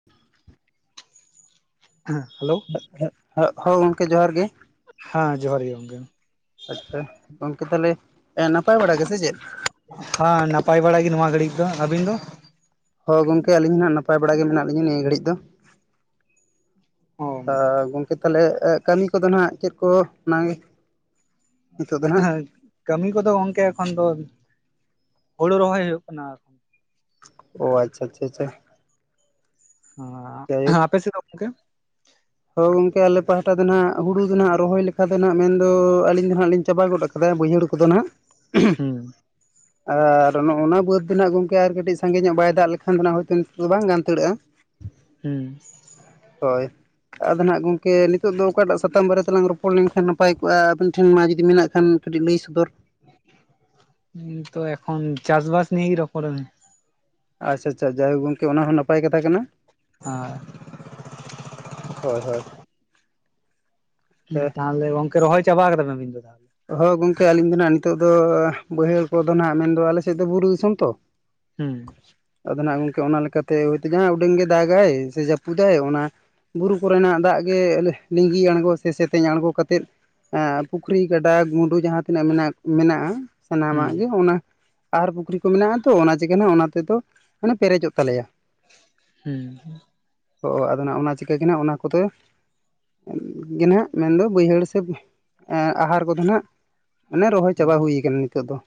[unintelligible] ᱦᱮᱸ ᱦᱮᱞᱳ ᱦᱚᱸ ᱜᱚᱝᱠᱮ ᱡᱚᱦᱟᱨ ᱜᱮ ᱦᱟ ᱡᱚᱦᱟᱨ ᱜᱮ ᱜᱚᱝᱠᱮ ᱟᱪᱪᱷᱟ ᱜᱚᱝᱠᱮ ᱛᱟᱦᱚᱞᱮ ᱱᱟᱯᱟᱭ ᱵᱟᱲᱟ ᱜᱮ ᱥᱮ ᱪᱮᱫ? ᱦᱚᱸ ᱱᱟᱯᱟᱭ ᱵᱟᱲᱟ ᱜᱮ ᱱᱚᱣᱟ ᱜᱷᱟᱹᱲᱤᱡ ᱫᱚ ᱟᱹᱵᱤᱱ ᱫᱚ? ᱦᱳ ᱜᱚᱝᱠᱮ ᱟᱹᱞᱤᱧ ᱦᱟᱜ ᱱᱟᱯᱟᱭ ᱵᱟᱲᱟ ᱜᱮ ᱢᱮᱱᱟᱜ ᱞᱤᱧᱟᱹ ᱱᱤᱭᱟᱹ ᱜᱷᱟᱹᱲᱤᱡ ᱫᱚ᱾ ᱚ ᱟᱻᱜᱚᱝᱠᱮ ᱛᱟᱦᱚᱞᱮ ᱠᱟᱹᱢᱤ ᱠᱚᱫᱚ ᱦᱟᱸᱜ ᱪᱮᱫ ᱠᱚ ᱚᱱᱟ ᱜᱮ ᱠᱟᱹᱢᱤ ᱠᱚᱫᱚ ᱜᱚᱝᱠᱮ ᱮᱠᱷᱚᱱ ᱫᱚ ᱦᱳᱲᱩ ᱨᱚᱦᱚᱭ ᱦᱩᱭᱩᱜ ᱠᱟᱱᱟ ᱟᱨ ᱚᱸ ᱟᱪᱪᱷᱟ ᱟᱪᱪᱷᱟ ᱟᱪᱪᱷᱟ ᱟᱸᱻᱷᱜ, ᱟᱯᱮ ᱥᱮ ᱫᱚ ᱜᱚᱢᱠᱮ ᱾ ᱦᱳ, ᱜᱚᱝᱠᱮ! ᱟᱞᱮ ᱯᱟᱦᱟᱴᱟ ᱫᱚ ᱱᱷᱟᱜ, ᱦᱩᱲᱩ ᱫᱚ ᱱᱷᱟᱜ, ᱨᱚᱦᱚᱭ ᱞᱮᱠᱟ ᱫᱚ ᱱᱷᱟᱜ, ᱢᱮᱱ ᱫᱚ ᱟᱹᱞᱤᱧ ᱫᱚ ᱦᱟᱸᱜ, ᱞᱤᱧ ᱪᱟᱵᱟ ᱜᱚᱫ ᱟᱠᱟᱫᱼᱟ ᱾ ᱟᱫᱟᱭ ᱵᱟᱹᱭᱦᱟᱹᱲ ᱠᱚᱫᱚ ᱱᱷᱟᱜ, ᱦᱩᱸᱻ ᱾ ᱟᱨ, ᱱᱚᱜ ᱚᱱᱟ ᱵᱟᱹᱫᱽ ᱫᱚ, ᱱᱷᱟᱜ ᱜᱚᱝᱠᱮ, ᱟᱨ ᱠᱟᱹᱴᱤᱡ ᱥᱟᱸᱜᱮ ᱧᱚᱜ, ᱵᱟᱭ ᱫᱟᱜ ᱞᱮᱠᱷᱟᱱ ᱫᱚ ᱱᱷᱟᱜ, ᱦᱚᱭ ᱛᱚ ᱱᱤᱛᱚᱜ ᱫᱚ, ᱵᱟᱝ ᱜᱟᱱ ᱦᱟᱱᱛᱟᱲᱚᱜ-ᱟ ᱾ [inaudible] ᱦᱩᱸᱻ᱾ ᱦᱳᱭ ᱾ ᱟᱫᱚ ᱱᱷᱟᱜ ᱜᱚᱝᱠᱮ, ᱱᱤᱛᱚᱜ ᱫᱚ, ᱚᱠᱟ ᱴᱟᱜ ᱥᱟᱛᱟᱢ ᱵᱟᱨᱮ, ᱛᱮᱞᱟᱝ ᱨᱚᱯᱚᱲ ᱞᱮᱱᱠᱷᱟᱱ ᱱᱟᱯᱟᱭ ᱠᱚᱜ-ᱟ ᱾ ᱟᱵᱮᱱ ᱴᱷᱮᱱ, ᱢᱟ ᱡᱩᱫᱤ ᱢᱮᱱᱟᱜ ᱠᱷᱟᱱ, ᱠᱟᱹᱴᱤᱡ ᱞᱟᱹᱭ ᱥᱚᱫᱚᱨ [unintelligible] ᱛᱚ ᱮᱠᱷᱚᱱ ᱪᱟᱥ ᱵᱟᱥ ᱱᱤᱭᱟᱹ, ᱨᱚᱯᱚᱲ ᱟᱞᱟᱝ ᱾ ᱟᱪ-ᱪᱷᱟ ᱪᱷᱟ, ᱡᱟᱭᱦᱳ ᱜᱚᱝᱠᱮ, ᱚᱱᱟ ᱦᱚᱸ ᱱᱟᱯᱟᱭ ᱠᱟᱛᱷᱟ ᱠᱟᱱᱟ ᱾ ᱟᱨ, ᱦᱳᱭ ᱦᱳᱭ, ᱾ ᱛᱟᱦᱚᱞᱮ, ᱜᱚᱝᱠᱮ ᱨᱚᱦᱚᱭ ᱪᱟᱵᱟ ᱟᱠᱟᱫ, ᱟᱵᱤᱱ ᱫᱚ ᱛᱟᱦᱚᱞᱮ, ᱦᱚ ᱜᱚᱝᱠᱮ, ᱟᱹᱞᱤᱧ ᱫᱚ ᱱᱷᱟᱜ, ᱱᱤᱛᱚᱜ ᱫᱚ, ᱵᱟᱹᱭᱦᱟᱹᱲ ᱠᱚᱫᱚ ᱱᱷᱟᱜ, ᱢᱮᱱ ᱫᱚ ᱟᱞᱮ ᱥᱮᱫ ᱫᱚ, ᱵᱩᱨᱩ ᱫᱤᱥᱚᱢ ᱛᱚ ᱾ ᱦᱩᱸ᱾ ᱟᱫᱚ ᱱᱷᱟᱜ, ᱜᱚᱝᱠᱮ, ᱚᱱᱟ ᱞᱮᱠᱟᱛᱮ, ᱦᱚᱭᱛᱳ ᱡᱟᱦᱟᱸ ᱩᱰᱟᱹᱝ ᱜᱮ, ᱫᱟᱜᱟᱭ ᱥᱮ ᱡᱟᱹᱯᱩᱫᱟᱭ, ᱚᱱᱟ ᱵᱩᱨᱩ ᱠᱚᱨᱮᱱᱟᱜ ᱫᱟᱜ ᱜᱮ, ᱦ-ᱞᱮ ᱞᱤᱸᱜᱤ ᱟᱬᱜᱚ ᱥᱮ, ᱥᱮᱛᱮᱧ ᱟᱬᱜᱚ ᱠᱟᱛᱮᱫ, ᱮᱸᱻ ᱯᱩᱠᱷᱨᱤ ᱰᱟᱜᱽ ᱢᱩᱰᱩ ᱡᱟᱦᱟᱸ ᱛᱤᱱᱟᱹᱜ, ᱢᱮᱱᱟᱜ, ᱢᱮᱱᱟᱜ-ᱟ ᱾ ᱦᱩᱸ ᱥᱟᱱᱟᱢᱟᱜ ᱜᱮ, ᱚᱱᱟ ᱟᱦᱟᱨ ᱯᱩᱠᱷᱨᱤ ᱠᱚ, ᱢᱮᱱᱟᱜᱼᱟ ᱛᱚ, ᱚᱱᱟ ᱛᱮᱜᱮ ᱦᱟᱸᱜ, ᱚᱱᱟ ᱛᱮᱫᱚ, ᱢᱟᱱᱮ ᱯᱮᱨᱮᱡᱚᱜ ᱛᱟᱞᱮᱭᱟ ᱾ ᱦᱩᱢ ᱾ ᱚᱼ ᱟᱫᱚ ᱱᱷᱟᱜ, ᱚᱱᱟ ᱪᱤᱠᱟᱹ ᱜᱷᱮᱱᱷᱟ, ᱚᱱᱟ ᱠᱚᱫᱚ, ᱜᱮ ᱱᱷᱟᱜ, ᱢᱮᱱ ᱫᱚ, ᱵᱟᱹᱭᱦᱟᱹᱲ ᱥᱮ, ᱮᱸᱻᱜ ᱟᱦᱟᱨ ᱠᱚᱫᱚ ᱱᱷᱟᱜ, ᱢᱟᱱᱮ ᱨᱚᱦᱚᱭ ᱪᱟᱵᱟ ᱦᱩᱭ ᱟᱠᱟᱱᱟ, ᱱᱤᱛᱚᱜ ᱫᱚ ᱾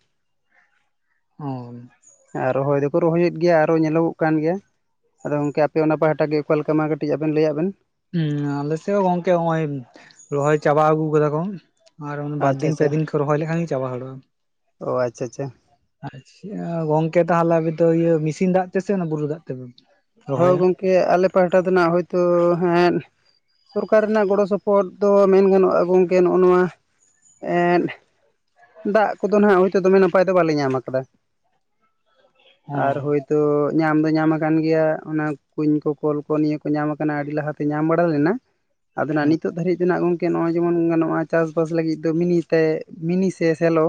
ᱦᱚᱸᱭ ᱾ ᱟᱼ ᱨᱚᱦᱚᱭ ᱫᱚᱠᱚ, ᱨᱚᱦᱚᱭ ᱮᱫ ᱜᱮᱭᱟ, ᱟᱨᱚ ᱧᱮᱞᱚᱜᱚᱜ ᱠᱟᱱ ᱜᱮᱭᱟ ᱾ ᱟᱫᱚ ᱜᱚᱢᱠᱮ, ᱟᱯᱮ ᱚᱱᱟ ᱯᱟᱦᱟᱴᱟ ᱜᱮ, ᱚᱠᱟ ᱞᱮᱠᱟ? ᱢᱟ, ᱠᱟᱹᱴᱤᱡ ᱟᱵᱮᱱ ᱞᱟᱹᱭᱟᱜ ᱵᱮᱱ ᱾ ᱩᱸᱻᱮ, ᱟᱞᱮ ᱥᱮᱫ ᱦᱚᱸ ᱜᱚᱝᱠᱮ, ᱱᱚᱜᱼᱚᱭ ᱨᱚᱦᱚᱭ ᱪᱟᱵᱟ, ᱟᱹᱜᱩ ᱟᱠᱟᱫᱟ ᱠᱚ ᱾ ᱟᱨ ᱵᱟᱨ ᱟᱪᱪᱷᱟ ᱫᱤᱱ, ᱯᱮ ᱫᱤᱱ ᱠᱚ, ᱨᱚᱦᱚᱭ ᱞᱮᱠᱷᱟᱱ ᱪᱟᱵᱟ ᱦᱩᱣᱟᱲᱚᱜᱼᱟ ᱾ ᱚᱻ ᱟᱪᱪᱟ ᱪᱪᱟ ᱾ ᱟᱪᱪᱷᱟ ᱜᱚᱝᱠᱮ, ᱛᱟᱦᱚᱞᱮ ᱟᱯᱮ ᱫᱚ, ᱤᱭᱟᱹ ᱢᱮᱥᱤᱱ ᱫᱟᱜ ᱛᱮᱥᱮ, ᱵᱩᱨᱩ ᱫᱟᱜ ᱛᱮ? ᱦᱳᱭ ᱜᱚᱢᱠᱮ, ᱟᱞᱮ ᱯᱟᱦᱴᱟ ᱫᱚ ᱱᱷᱟᱜ ᱦᱳᱭ ᱛᱳ, ᱦᱮᱸᱻᱫ ᱥᱚᱨᱠᱟᱨ ᱨᱮᱱᱟᱜ ᱜᱚᱲᱚ, ᱥᱚᱯᱚᱦᱚᱫ ᱫᱚ, ᱢᱮᱱ ᱜᱟᱱᱚᱜᱼᱟ, ᱜᱚᱢᱠᱮ, ᱱᱚᱜ ᱱᱚᱣᱟ, ᱮᱸᱫ ᱫᱟᱜ ᱠᱚᱫᱚ ᱱᱷᱟᱜ ᱦᱳᱭ ᱛᱳ, ᱫᱚᱢᱮ, ᱱᱟᱯᱟᱭ ᱫᱚ, ᱵᱟᱞᱮ ᱧᱟᱢ ᱟᱠᱟᱫᱟ ᱾ ᱟᱨ, ᱚ ᱦᱳᱭ ᱛᱳ ᱧᱟᱢ ᱫᱚ, ᱧᱟᱢ ᱟᱠᱟᱱ ᱜᱮᱭᱟ, ᱚᱱᱟ ᱠᱩᱧ ᱠᱚ, ᱠᱚᱞ ᱠᱚ, ᱱᱤᱭᱟᱹ ᱠᱚ, ᱧᱟᱢ ᱟᱠᱟᱱᱟ ᱾ ᱟᱹᱰᱤ ᱞᱟᱦᱟ ᱛᱮ, ᱧᱟᱢ ᱵᱟᱲᱟ ᱞᱮᱱᱟ ᱾ ᱟᱫᱚ ᱱᱷᱟᱜ, ᱱᱤᱛᱚᱜ ᱫᱷᱟᱹᱨᱤᱡ ᱛᱮ ᱱᱷᱟᱜ, ᱜᱚᱝ ᱠᱮ, ᱱᱚᱜᱼᱚᱭ ᱡᱮᱢᱚᱱ ᱜᱟᱱᱚᱜᱼᱟ, ᱪᱟᱥ ᱵᱟᱥ ᱞᱟᱹᱜᱤᱫ ᱫᱚ, ᱢᱤᱱᱤ ᱛᱮ, ᱢᱤᱱᱤ ᱥᱮ ᱥᱮᱞᱚ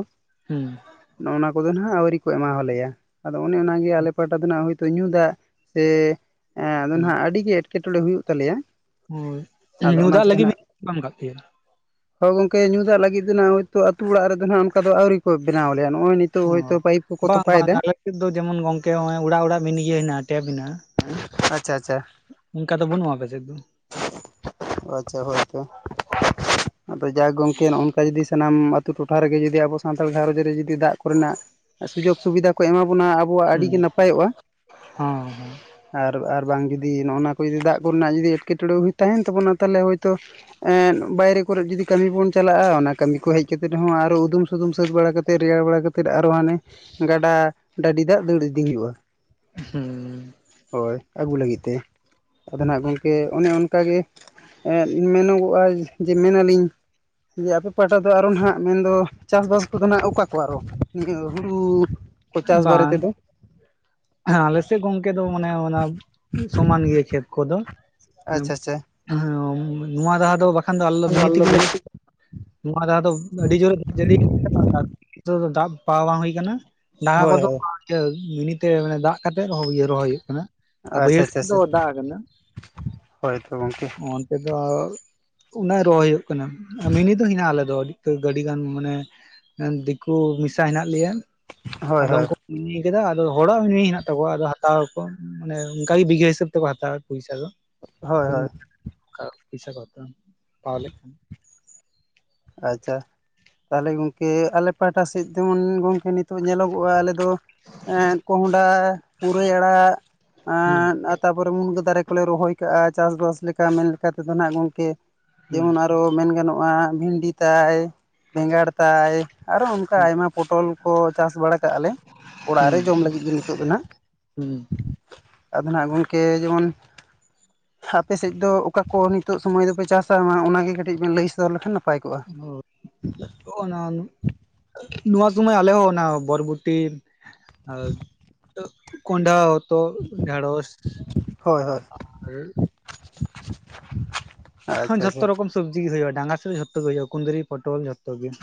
ᱩᱸᱻ᱾ ᱱᱚᱜᱼ ᱱᱚᱣᱟ ᱠᱚᱫᱚ ᱦᱟᱸᱜ, ᱟᱹᱣᱨᱤ ᱠᱚ ᱮᱢᱟᱣᱟ ᱞᱮᱭᱟ ᱾ ᱟᱫᱚ ᱚᱱᱮ, ᱚᱱᱟ ᱟᱞᱮ ᱯᱟᱦᱴᱟ ᱫᱚ ᱱᱷᱟᱜ, ᱦᱚᱭ ᱛᱚ, ᱧᱩ ᱫᱟᱜ, ᱮᱻ ᱮᱸ, ᱟᱫᱚ ᱦᱩᱸ ᱱᱷᱟᱜ ᱟᱹᱰᱤ ᱜᱮ, ᱮᱴᱠᱮᱴᱚᱬᱮ ᱦᱩᱭᱩᱜ, ᱛᱟᱞᱮᱭᱟ ᱾ ᱦᱳᱭ [inaudible] ᱧᱩ ᱫᱟᱜ ᱞᱟᱹᱜᱤᱫ ᱢᱤᱫ [inaudible] ᱵᱟᱢ ᱜᱟᱛᱮᱭᱟ ᱾ ᱦᱳ ᱜᱚᱝᱠᱮ, ᱧᱩ ᱫᱟᱜ ᱞᱟᱹᱜᱤᱫ ᱫᱚ ᱱᱷᱟᱜ, ᱦᱚᱭ ᱛᱚ, ᱟ. ᱛᱩ ᱚᱲᱟᱜ ᱨᱮᱫᱚ ᱱᱷᱟᱜ, ᱚᱱᱠᱟ ᱫᱚ ᱟᱹᱣᱨᱤ ᱠᱚ, ᱵᱮᱱᱟᱣ ᱟᱞᱮᱭᱟ, ᱱᱚᱜᱼᱚᱭ ᱱᱤᱛ ᱾ ᱛᱚ, ᱦᱳᱭ ᱛᱳ, ᱚ ᱯᱟᱭᱤᱯ ᱠᱚᱠᱚ, ᱵᱟᱝ ᱛᱚᱯᱟᱭ ᱵᱟᱝ ᱮᱫᱟ ᱾ ᱟᱞᱮ ᱫᱚ ᱡᱮᱢᱚᱱ ᱜᱚᱝᱠᱮ ᱚᱲᱟᱜ ᱚᱲᱟᱜ [unintelligible] ᱤᱭᱟᱹ ᱦᱮᱱᱟᱜᱼᱟ ᱴᱮᱯ ᱦᱮᱱᱟᱜᱼᱟ᱾ ᱟᱪᱪᱷᱟ ᱟᱪᱪᱷᱟ ᱚᱱᱠᱟ ᱫᱚ ᱵᱟᱹᱱᱩᱜᱼᱟ ᱟᱯᱮ ᱥᱮᱫ ᱫᱚ? ᱟᱪᱪᱷᱟ ᱦᱳᱭ ᱛᱚ᱾ ᱟᱫᱚ ᱡᱟᱠ ᱜᱚᱝᱠᱮ ᱱᱚᱜᱼ ᱱᱚᱝᱠᱟ ᱡᱩᱫᱤ ᱥᱟᱱᱟᱢ ᱟᱹᱛᱩ ᱴᱚᱴᱷᱟ ᱨᱮ ᱜᱮ ᱡᱩᱫᱤ ᱟᱵᱚ ᱥᱟᱱᱛᱟᱲ ᱜᱷᱟᱨᱚᱸᱡᱽ ᱨᱮ ᱡᱩᱫᱤ ᱫᱟᱜ ᱠᱚ ᱨᱮᱱᱟᱜ ᱥᱩᱡᱳᱜᱽ ᱥᱩᱵᱤᱫᱷᱟ ᱠᱚ ᱮᱢᱟ ᱵᱚᱱᱟ ᱟᱵᱚᱣᱟᱜ ᱟᱹᱰᱤ ᱜᱮ ᱱᱟᱯᱟᱭᱚᱜᱼᱟ᱾ ᱦᱩᱸ ᱦᱩᱸ ᱟᱨ ᱟᱨ ᱵᱟᱝ ᱡᱩᱫᱤ ᱱᱚᱜᱼ ᱱᱚᱣᱟ ᱠᱚ ᱡᱚᱫᱤ ᱫᱟᱜ ᱠᱚᱨᱮ ᱱᱟᱜ ᱡᱩᱫᱤ ᱮᱴᱠᱮᱴᱚᱬᱮ ᱦᱩᱭ ᱛᱟᱦᱮᱱ ᱛᱟᱵᱚᱱᱟ ᱛᱟᱦᱞᱮ ᱦᱚᱭᱛᱳ ᱵᱟᱭᱨᱮ ᱠᱚᱨᱮᱜ ᱡᱩᱫᱤ ᱠᱟᱹᱢᱤ ᱵᱚᱱ ᱪᱟᱞᱟᱜᱼᱟ᱾ ᱚᱱᱟ ᱠᱟᱹᱢᱤ ᱠᱚ ᱦᱮᱡ ᱠᱟᱛᱮ ᱦᱚᱸ ᱟᱨᱚ ᱩᱫᱩᱢ ᱥᱩᱫᱩᱢ ᱥᱟᱹᱛ ᱵᱟᱲᱟ ᱠᱟᱛᱮᱫ ᱨᱮᱭᱟᱲ ᱵᱟᱲᱟ ᱠᱟᱛᱮᱫ ᱟᱨᱚ ᱦᱟᱱᱮ ᱜᱟᱰᱟ ᱰᱟᱹᱰᱤ ᱫᱟᱜ ᱫᱟᱹᱲ ᱤᱫᱤ ᱦᱩᱭᱩᱜᱼᱟ᱾ ᱦᱩᱸ ᱦᱳᱭ ᱟᱹᱜᱩ ᱞᱟᱹᱜᱤᱫ ᱛᱮ᱾ ᱟᱫᱚ ᱱᱟᱜ ᱜᱚᱝᱠᱮ ᱚᱱᱮ ᱚᱱᱠᱟ ᱜᱮ ᱢᱮᱱᱚᱜᱚᱜᱼᱟ ᱡᱮ ᱢᱮᱱᱟ ᱟᱞᱤᱧ ᱡᱮ ᱟᱯᱮ ᱯᱟᱦᱴᱟ ᱫᱚ ᱟᱨᱚ ᱱᱟᱜ ᱢᱮᱱ ᱫᱚ ᱪᱟᱥᱼᱵᱟᱥ ᱠᱚ ᱫᱚ ᱦᱟᱸᱜ ᱚᱠᱟ ᱠᱚ ᱟᱨᱚ ᱱᱤᱭᱟᱹ ᱦᱩᱲᱩ ᱠᱚ ᱪᱟᱥ ᱵᱟᱨᱮ ᱛᱮ ᱫᱚ ᱾ ᱮ ᱟᱞᱮ ᱥᱮᱫ ᱜᱚᱝᱠᱮ ᱫᱚ ᱢᱟᱱᱮ ᱚᱱᱟ ᱥᱚᱢᱟᱱ ᱜᱮᱭᱟ ᱠᱷᱮᱛ ᱠᱚ ᱫᱚ ᱾ ᱦᱮᱸ ᱟᱪᱪᱷᱟ ᱟᱪᱪᱷᱟ ᱱᱚᱣᱟ ᱫᱟᱦᱟ ᱫᱚ ᱵᱟᱠᱷᱟᱱ ᱫᱚ ᱟᱞᱮ ᱫᱚ ᱦᱳᱭ ᱢᱤᱱᱤ ᱛᱮ ᱜᱮ ᱞᱮ ᱱᱚᱣᱟ ᱫᱷᱟᱣ ᱫᱚ ᱟᱹᱰᱤ ᱡᱳᱨ ᱮ ᱫᱟᱜ ᱡᱟᱹᱲᱤ ᱫᱟᱜ ᱯᱟᱣᱟ ᱵᱟᱝ ᱦᱩᱭ ᱠᱟᱱᱟ᱾ ᱰᱟᱝ ᱜᱟ ᱠᱚ ᱦᱳᱭ ᱫᱚ ᱤᱭᱟᱹ ᱢᱤᱱᱤ ᱛᱮ ᱫᱟᱜ ᱠᱟᱛᱮᱜ ᱨᱚᱦᱚᱭ ᱦᱩᱭᱩᱜ ᱠᱟᱱᱟ᱾ ᱟᱨ ᱟᱪᱪᱷᱟ ᱵᱟᱹᱭᱦᱟᱹᱲ ᱟᱪᱪᱷᱟ ᱥᱮᱫ ᱟᱪᱪᱷᱟ ᱫᱚ ᱫᱟᱜ ᱠᱟᱱᱟ ᱦᱳᱭ ᱛᱚ ᱜᱚᱢᱠᱮ ᱚᱱᱛᱮ ᱫᱚ ᱚᱱᱟ ᱨᱚᱦᱚᱭ ᱦᱩᱭᱩᱜ ᱠᱟᱱᱟ ᱢᱤᱱᱤ ᱫᱚ ᱦᱮᱱᱟᱜᱼᱟ᱾ ᱟᱞᱮ ᱫᱚ ᱟᱹᱰᱤ ᱜᱟᱱ ᱢᱟᱱᱮ ᱫᱤᱠᱩ ᱢᱤᱥᱟ ᱦᱮᱱᱟᱜ ᱞᱮᱭᱟ ᱦᱳᱭ ᱟᱫᱚ ᱦᱳᱭ ᱩᱱᱠᱩ [unintelligible] ᱠᱮᱫᱟ ᱟᱫᱚ ᱦᱚᱲᱟᱜ ᱢᱤᱱᱤ ᱦᱮᱱᱟᱜ ᱛᱟᱠᱚᱣᱟ ᱟᱫᱚ ᱦᱟᱛᱟᱣ ᱟᱠᱚ ᱢᱟᱱᱮ ᱚᱱᱠᱟ ᱵᱤᱜᱷᱟᱹ ᱦᱤᱥᱟᱹᱵ ᱛᱮ ᱠᱚ ᱦᱟᱛᱟᱣ ᱟᱠᱚ ᱯᱚᱭᱥᱟ ᱫᱚ᱾ ᱦᱳᱭ ᱦᱳᱭ ᱚᱱᱠᱟ ᱯᱚᱭᱥᱟ ᱠᱚ ᱦᱟᱛᱟᱣ ᱟ ᱟᱪᱪᱷᱟ ᱛᱟᱦᱞᱮ ᱜᱚᱝᱠᱮ ᱟᱞᱮ ᱯᱟᱦᱴᱟ ᱥᱮᱫ ᱡᱮᱢᱚᱱ ᱜᱚᱢᱠᱮ ᱱᱤᱛᱚᱜ ᱧᱮᱞᱚᱜᱚᱜᱼᱟ ᱟᱞᱮ ᱫᱚ ᱮᱸ ᱠᱚᱸᱦᱚᱰᱟ, ᱯᱩᱨᱟᱹᱭ, ᱟᱲᱟᱜ ᱦᱩᱸ ᱮᱸᱻ ᱛᱟᱯᱚ ᱨᱮ ᱢᱩᱱᱜᱟᱹ ᱫᱟᱨᱮ ᱠᱚ ᱞᱮ ᱨᱚᱦᱚᱭ ᱠᱟᱜᱼᱟ ᱪᱟᱥ ᱵᱟᱥ ᱞᱮᱠᱟ ᱢᱮᱱ ᱞᱮᱠᱟ ᱛᱮ ᱫᱚ ᱱᱟᱜ ᱱᱤᱱᱠᱟᱹ ᱡᱮᱢᱚᱱ ᱦᱩᱸ ᱟᱨᱚ ᱢᱮᱱ ᱜᱟᱱᱚᱜᱼᱟ ᱵᱷᱤᱱᱰᱤ ᱛᱟᱭ ᱵᱮᱸᱜᱟᱲ ᱛᱟᱭ ᱟᱨᱚ ᱚᱱᱠᱟ ᱟᱭᱢᱟ ᱯᱚᱴᱚᱞ ᱠᱚ ᱪᱟᱥ ᱵᱟᱲᱟ ᱠᱟᱜᱼᱟ ᱞᱮ ᱚᱲᱟᱜ ᱨᱮ ᱡᱚᱢ ᱞᱟᱹᱜᱤᱫ ᱜᱮ ᱱᱤᱛᱚᱜ ᱫᱚ ᱱᱟᱜ ᱦᱩᱸ ᱟᱫᱚ ᱱᱟᱜ ᱜᱚᱝᱠᱮ ᱡᱮᱢᱚᱱ ᱟᱯᱮ ᱥᱮᱫ ᱫᱚ ᱚᱠᱟ ᱠᱚ ᱱᱤᱛᱚᱜ ᱥᱚᱢᱚᱭ ᱨᱮ ᱯᱮ ᱪᱟᱥᱼᱟ ᱚᱱᱟ ᱜᱮ ᱠᱟᱹᱴᱤᱡ ᱵᱤᱱ ᱞᱟᱹᱭ ᱥᱚᱫᱚᱨ ᱞᱮᱠᱷᱟᱱ ᱱᱟᱯᱟᱭ ᱠᱚᱜᱼᱟ᱾ ᱚ ᱚᱱᱟ ᱱᱚᱣᱟ ᱥᱩᱢᱟᱹᱭ ᱟᱞᱮ ᱦᱚᱸ ᱚᱱᱟ ᱵᱚᱨᱚᱵᱷᱚᱴᱤ ᱟᱨ ᱠᱚᱱᱰᱟᱷᱟ ᱦᱚᱛ ᱰᱮᱲᱚᱥ ᱦᱳᱭ ᱦᱳᱭ ᱟᱨ ᱟᱪᱪᱷᱟ ᱟᱪᱪᱷᱟ ᱡᱷᱚᱛᱚ ᱨᱚᱠᱚᱢ ᱥᱚᱵᱡᱤ ᱜᱮ ᱦᱩᱭᱩᱜᱼᱟ ᱰᱟᱸᱜᱟ ᱥ ᱨᱮ ᱡᱷᱚᱛᱚ ᱜᱮ ᱦᱩᱭᱩᱜᱼᱟ ᱠᱩᱸᱫᱽᱨᱤ ᱯᱚᱴᱚᱞ ᱡᱚᱛᱚ ᱜᱮ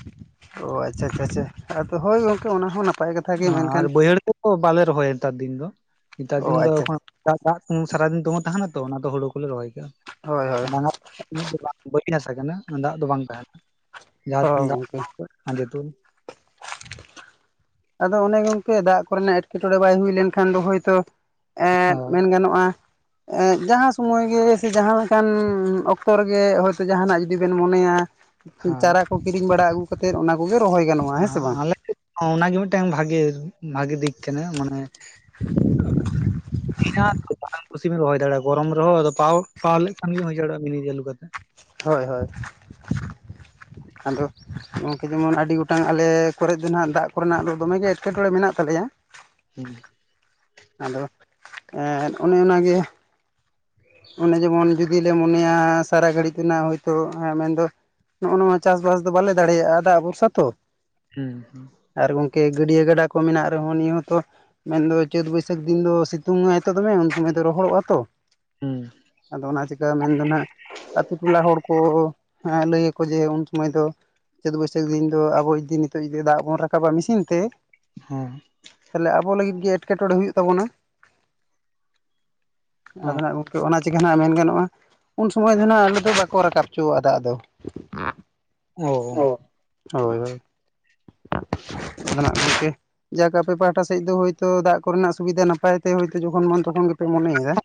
ᱚ ᱟᱪᱪᱷᱟ ᱟᱪᱪᱷᱟ ᱟᱪᱪᱷᱟ ᱟᱫᱚ ᱦᱳᱭ ᱜᱚᱝᱠᱮ ᱚᱱᱟ ᱦᱚᱸ ᱱᱟᱯᱟᱭ ᱠᱟᱛᱷᱟ ᱜᱮ ᱟᱨ ᱢᱮᱱᱠᱷᱟᱱ ᱵᱟᱹᱭᱦᱟᱹᱲ ᱫᱚ ᱵᱟᱞᱮ ᱨᱚᱦᱚᱭᱟ ᱱᱮᱛᱟᱨ ᱫᱤᱱ ᱫᱚ ᱱᱮᱛᱟᱨ ᱚ ᱫᱤᱱ ᱫᱚ ᱟᱪᱪᱷᱟ ᱮᱠᱷᱚᱱ ᱫᱟᱜ ᱫᱟᱜ ᱥ ᱥᱟᱨᱟᱫᱤᱱ ᱫᱚᱢᱮ ᱛᱟᱦᱮᱱᱟ ᱛᱚ ᱚᱱᱟ ᱫᱚ ᱦᱩᱲᱩ ᱠᱚᱞᱮ ᱨᱚᱦᱚᱭ ᱠᱟᱜᱼᱟ ᱦᱳᱭ ᱦᱳᱭ ᱵᱟᱝ ᱩᱱᱟᱹᱜ ᱫᱚ ᱵᱟᱝ ᱵᱟᱹᱧ ᱦᱥᱟ ᱠᱟᱱᱟ ᱫᱟᱜ ᱫᱚ ᱵᱟᱝ ᱛᱟᱦᱮᱱᱟ ᱡᱟᱦᱟᱸ ᱦᱳᱭ ᱛᱤᱱᱟᱹ ᱫᱟᱜ ᱜᱚᱢᱠᱮ ᱦᱟᱡᱮ ᱛᱩ ᱟᱫᱚ ᱚᱱᱮ ᱜᱚᱝᱠᱮ ᱫᱟᱜ ᱠᱚᱨᱮᱱᱟᱜ ᱮᱴᱠᱮᱴᱚᱬᱮ ᱵᱟᱭ ᱦᱩᱭ ᱞᱮᱱᱠᱷᱟᱱ ᱫᱚ ᱦᱳᱭᱛᱳ ᱮᱸᱜ ᱢᱮᱱ ᱦᱮᱸ ᱜᱟᱱᱚᱜᱼᱟ᱾ ᱡᱟᱦᱟᱸ ᱥᱚᱢᱚᱭ ᱜᱮ ᱥᱮ ᱡᱟᱦᱟᱸ ᱞᱮᱠᱟᱱ ᱚᱠᱛᱚ ᱨᱮ ᱜᱮ ᱦᱚᱭ ᱛᱚ ᱡᱟᱦᱟᱱᱟᱜ ᱡᱩᱫᱤ ᱵᱮᱱ ᱢᱚᱱᱮᱭᱟ᱾ ᱪᱟᱨᱟ ᱠᱚ ᱠᱤᱨᱤᱧ ᱵᱟᱲᱟ ᱟᱹᱜᱩ ᱠᱟᱛᱮᱫ ᱚᱱᱟ ᱠᱚᱜᱮ ᱨᱚᱦᱚᱭ ᱜᱟᱱᱚᱜᱼᱟ᱾ ᱚ ᱦᱮᱸ ᱥᱮ ᱵᱟᱝ ᱟᱞᱮ ᱚᱱᱟᱜᱮ ᱢᱤᱫᱴᱮᱱ ᱵᱷᱟᱜᱮ ᱵᱷᱟᱜᱤ ᱫᱤᱠ ᱠᱟᱱᱟ ᱢᱟᱱᱮ [unintelligible] ᱠᱩᱥᱤᱢ ᱦᱩᱭ ᱫᱟᱲᱮᱭᱟᱜᱼᱟ᱾ ᱜᱚᱨᱚᱢ ᱨᱮ ᱦᱚᱸ ᱟᱫᱚ ᱯᱟᱣ ᱯᱟᱣ ᱞᱮᱠᱷᱟᱱ ᱜᱮ ᱦᱩᱭ ᱫᱟᱲᱮᱼᱟᱜᱟ ᱢᱤᱱᱤ ᱪᱟᱹᱞᱩ ᱠᱟᱛᱮᱫ᱾ ᱦᱳᱭ ᱦᱳᱭ ᱟᱫᱚ ᱱᱚᱝᱠᱮ ᱡᱮᱢᱚᱱ ᱟᱹᱰᱤ ᱜᱚᱴᱟᱝ ᱟᱞᱮ ᱠᱚᱨ ᱫᱚ ᱱᱟᱜ ᱫᱟᱜ ᱠᱚᱨᱮᱱᱟᱜ ᱫᱚ ᱫᱚᱢᱮᱜᱮ ᱮᱴᱠᱮᱴᱚᱬᱮ ᱢᱮᱱᱟᱜ ᱛᱟᱞᱮᱭᱟ᱾ ᱦᱮᱸ ᱟᱫᱚ ᱚᱱᱮ ᱚᱱᱟ ᱜᱮ ᱾ ᱚᱱᱮ ᱡᱮᱢᱚᱱ ᱡᱩᱫᱤ ᱞᱮ ᱢᱚᱱᱮᱭᱟ ᱥᱟᱨᱟ ᱜᱷᱟᱹᱲᱤᱡ ᱨᱮᱱᱟᱜ ᱦᱚᱳᱭᱛᱳ ᱢᱮᱱ ᱫᱚ ᱱᱚᱜᱼ ᱱᱚᱣᱟ ᱪᱟᱥ ᱵᱟᱥ ᱫᱚ ᱵᱟᱞᱮ ᱫᱟᱲᱮ ᱭᱟᱜᱼᱟ ᱟ ᱫᱟᱜ ᱵᱷᱚᱨᱥᱟ ᱛᱚ᱾ ᱦᱮᱸ ᱦᱩᱸ ᱟᱨ ᱜᱚᱝᱠᱮ ᱜᱟᱹᱰᱭᱟᱹ ᱜᱟᱰᱟ ᱠᱚ ᱢᱮᱱᱟᱜ ᱨᱮᱦᱚᱸ ᱱᱤᱭᱟᱹ ᱦᱚᱸᱛᱚ ᱢᱮᱱ ᱫᱚ ᱪᱟᱹᱛ ᱵᱟᱹᱭᱥᱟᱹᱠᱷ ᱫᱤᱱ ᱫᱚ ᱥᱤᱛᱩᱝ ᱟᱭ ᱛᱚ ᱫᱚᱢᱮ ᱩᱱ ᱥᱚᱢᱚᱭ ᱫᱚ ᱨᱚᱦᱚᱲᱚᱜᱼᱟ ᱛᱚ ᱦᱩᱸ ᱟᱫᱚ ᱚᱱᱟ ᱪᱤᱠᱟᱹ ᱢᱮᱱ ᱫᱚ ᱦᱟᱜ ᱟᱛᱳ ᱴᱚᱞᱟ ᱦᱚᱲ ᱠᱚ ᱞᱟᱹᱭ ᱟᱠᱚ ᱡᱮ ᱩᱱ ᱥᱚᱢᱚᱭ ᱫᱚ ᱪᱟᱹᱛ ᱵᱟᱹᱭᱥᱟᱹᱠᱷ ᱫᱤᱱ ᱫᱚ ᱟᱵᱚ ᱡᱩᱫᱤ ᱱᱤᱛᱚᱜ ᱡᱫᱤ ᱫᱟᱜ ᱵᱚᱱ ᱨᱟᱠᱟᱵᱟ ᱢᱮᱥᱤᱱ ᱛᱮ ᱦᱮᱸ ᱛᱟᱦᱞᱮ ᱟᱵᱚ ᱞᱟᱹᱜᱤᱫ ᱜᱮ ᱮᱴᱠᱮᱴᱚᱬᱮ ᱦᱩᱭᱩᱜ ᱛᱟᱵᱚᱱᱟ᱾ ᱦᱚᱸ ᱟᱫᱚ ᱜᱚᱝᱠᱮ ᱚᱱᱟ ᱪᱤᱠᱟᱹ ᱦᱟᱸᱱᱟᱜ ᱢᱮᱱ ᱜᱟᱱᱚᱜᱼᱟ᱾ ᱩᱱ ᱥᱚᱢᱚᱭ ᱫᱚ ᱱᱟᱜ ᱟᱰᱮ ᱫᱚ ᱵᱟᱠᱚ ᱨᱟᱠᱟᱵ ᱦᱚᱪᱚ ᱣᱟᱜ ᱫᱟᱜ ᱫᱚ᱾ ᱚ ᱦᱳᱭ ᱦᱳᱭ ᱮᱱᱟᱜ ᱜᱮ ᱡᱟᱠ ᱟᱯᱮ ᱯᱟᱦᱟᱴᱟ ᱥᱮᱫ ᱫᱚ ᱦᱚᱭᱛᱳ ᱫᱟᱜ ᱠᱚ ᱨᱮᱱᱟᱜ ᱥᱩᱵᱤᱫᱷᱟ ᱱᱟᱯᱟᱭ ᱛᱮᱭ ᱡᱚᱠᱷᱚᱱ ᱛᱚᱠᱷᱚᱱ ᱜᱮ ᱯᱮ ᱢᱚᱱᱮᱭ ᱮᱫᱟ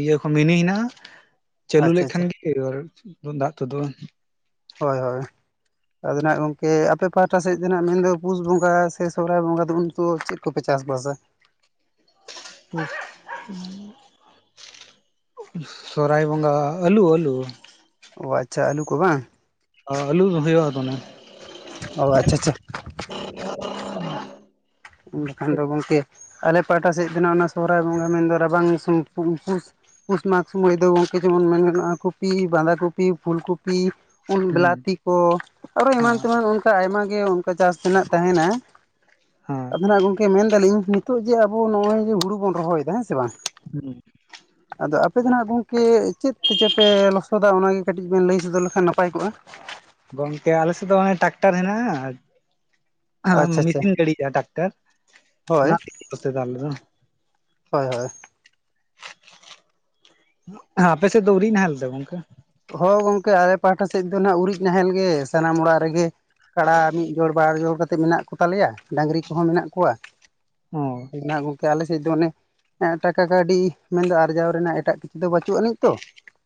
ᱤᱭᱟᱹ ᱠᱚ ᱢᱤᱱᱤ ᱦᱮᱱᱟᱜᱼᱟ ᱪᱟᱹᱞᱩ ᱟᱪᱪᱷᱟ ᱞᱮᱠᱷᱟᱱ ᱟᱪᱪᱷᱟ ᱜᱮ ᱫᱟᱜ ᱛᱳ ᱫᱳᱜ ᱟ ᱦᱳᱭ ᱦᱳᱭ ᱟᱫᱚ ᱱᱟᱜ ᱜᱚᱝᱠᱮ ᱟᱯᱮ ᱯᱟᱦᱟᱴᱟ ᱥᱮᱫ ᱫᱚ ᱱᱟᱜ ᱢᱮᱱ ᱫᱚ ᱯᱩᱥ ᱵᱚᱸᱜᱟ ᱥᱮ ᱥᱚᱦᱚᱨᱟᱭ ᱵᱚᱸᱜᱟ ᱫᱚ ᱩᱱ ᱫᱚ ᱪᱮᱫ ᱠᱚ ᱯᱮ ᱪᱟᱥ ᱵᱟᱥᱟ [inaudible] ᱥᱚᱨᱦᱟᱭ ᱵᱚᱸᱜᱟ ᱟᱹᱞᱩ ᱟᱹᱞᱩ ᱚ ᱟᱪᱪᱷᱟ ᱟᱞᱩ ᱠᱚ ᱵᱟᱝ ᱚ ᱟᱹᱞᱩ ᱫᱚ ᱦᱩᱭᱩᱜᱼᱟ ᱛᱚ ᱚᱱᱮ ᱚ ᱟᱪᱪᱷᱟ ᱟᱪᱪᱷᱟ [inaudible] ᱵᱟ ᱠᱷᱟᱱ ᱫᱚ ᱜᱚᱝᱠᱮ ᱟᱞᱮ ᱯᱟᱦᱴᱟ ᱥᱮᱫ ᱛᱮ ᱚᱱᱟ ᱥᱚᱦᱨᱟᱭ ᱵᱚᱸᱜᱟ ᱢᱮᱱ ᱫᱚ ᱨᱟᱵᱟᱝ ᱩᱱᱠᱩ ᱯᱩᱥ ᱢᱟᱜᱽ ᱥᱚᱢᱚᱭ ᱫᱚ ᱜᱚᱢᱠᱮ ᱡᱮᱢᱚᱱ ᱢᱮᱱ ᱜᱟᱱᱚᱜᱼᱟ᱾ ᱠᱚᱯᱤ ᱵᱟᱸᱫ ᱠᱚᱯᱤ ᱯᱷᱩᱞ ᱠᱚᱯᱤ ᱦᱩᱸ ᱵᱮᱞᱟᱛᱤ ᱠᱚ ᱟᱨᱚ ᱮᱢᱟᱱ ᱦᱚᱸ ᱛᱮ ᱢᱟᱱ ᱚᱱᱠᱟ ᱟᱭᱢᱟ ᱜᱮ ᱚᱱᱠᱟ ᱪᱟᱥ ᱨᱮᱱᱟᱜ ᱛᱟᱦᱮᱱᱟ᱾ ᱦᱚᱸ ᱟᱫᱚ ᱜᱚᱝᱠᱮ ᱢᱮᱱ ᱮᱫᱟᱞᱤᱧ ᱱᱤᱛᱚᱜ ᱡᱮᱵᱚ ᱱᱚᱜᱼᱚᱭ ᱡᱮ ᱦᱩᱲᱩ ᱵᱚᱱ ᱨᱚᱦᱚᱭᱮᱫᱟ ᱦᱮᱸ ᱥᱮ ᱵᱟᱝ ᱦᱮᱸ [inaudible] ᱟᱫᱚ ᱟᱯᱮ ᱫᱚ ᱱᱟᱜ ᱜᱚᱝᱠᱮ ᱪᱮᱫ ᱛᱮ ᱪᱚᱯᱮ ᱞᱚᱥᱚᱫᱟ ᱚᱱᱟᱜᱮ ᱠᱟᱹᱴᱤᱡ ᱵᱮᱱ ᱞᱟᱹᱭ ᱥᱚᱫᱚᱨ ᱞᱮᱠᱷᱟᱱ ᱱᱟᱯᱟᱭ ᱠᱚᱜᱼᱟ᱾ ᱜᱚᱝᱠᱮ ᱟᱞᱮᱥᱮᱫ ᱫᱚ ᱚᱱᱮ ᱴᱨᱟᱠᱴᱟᱨ ᱦᱮᱱᱟᱜᱼᱟ᱾ ᱟᱪᱪᱷᱟ ᱟᱪᱪᱷᱟ ᱢᱮᱫᱤᱱ ᱜᱟᱹᱲᱤ ᱦᱤᱡᱩᱜ-ᱟ ᱴᱟᱠᱴᱟᱨ ᱦᱳᱭ ᱚᱱᱟ ᱛᱮᱜᱮ ᱞᱮ ᱞᱚᱥᱚᱫᱟ ᱟᱞᱮ ᱫᱚ ᱦᱳᱭ ᱦᱳᱭ ᱟᱯᱮ ᱥᱮᱫ ᱫᱚ ᱩᱨᱤᱡ ᱱᱟᱦᱮᱞ ᱥᱮ ᱜᱚᱝᱠᱮ ᱦᱳᱭ ᱜᱚᱝᱠᱮ ᱟᱞᱮ ᱯᱟᱦᱴᱟ ᱥᱮᱫ ᱫᱚ ᱱᱟᱜ ᱩᱨᱤᱡ ᱱᱟᱦᱮᱞ ᱜᱮ ᱥᱟᱱᱟᱢ ᱚᱲᱟᱜ ᱨᱮᱜᱮ᱾ ᱠᱟᱲᱟ ᱢᱤᱫ ᱡᱳᱲ ᱵᱟᱨ ᱡᱚᱲ ᱠᱟᱛᱮᱫ ᱢᱮᱱᱟᱜ ᱠᱚᱛᱟ ᱞᱮᱭᱟ ᱰᱟᱝᱨᱤ ᱠᱚᱦᱚᱸ ᱢᱮᱱᱟᱜ ᱠᱚᱣᱟ᱾ ᱚ ᱦᱚ ᱜᱚᱢᱠᱮ ᱟᱞᱮᱼᱼ ᱪᱮᱜ ᱪᱚ ᱚᱱᱮ ᱴᱟᱠᱟ ᱠᱟᱹᱣᱰᱤ ᱢᱮᱱᱫᱚ ᱟᱨᱡᱟᱣ ᱨᱮᱱᱟᱜ ᱮᱴᱟᱜ ᱠᱤᱪᱷᱩ ᱫᱚ ᱵᱟᱪᱩᱜ ᱟᱹᱱᱤᱡ ᱛᱚᱼᱼ